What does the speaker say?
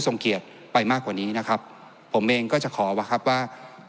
เกียรติไปมากกว่านี้นะครับผมเองก็จะขอว่าครับว่า